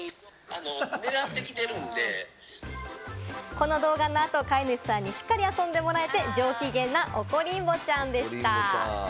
この動画の後、飼い主さんにしっかり遊んでもらえて上機嫌な、おこリンボちゃんでした。